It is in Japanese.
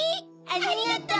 ありがとう！